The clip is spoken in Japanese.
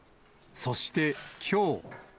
そして、きょう。